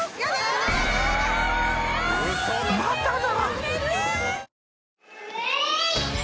まただ！